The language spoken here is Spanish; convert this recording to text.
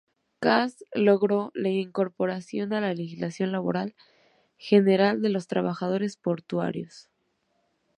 Kast logró la incorporación a la legislación laboral general de los trabajadores portuarios.